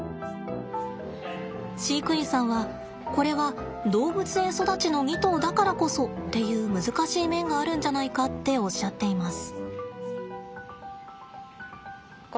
飼育員さんはこれは動物園育ちの２頭だからこそっていう難しい面があるんじゃないかっておっしゃっています。